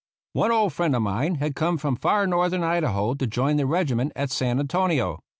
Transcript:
One old friend of mine had come from far northern Idaho to join the regiment at San An tonio.